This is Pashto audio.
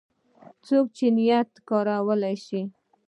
څوک چې نېټ کارولی شي